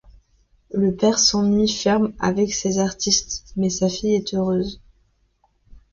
Le père s’ennuie ferme avec ces artistes, mais sa fille est heureuse.